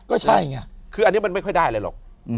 ก็ใช่ไงคืออันนี้มันไม่ค่อยได้อะไรหรอก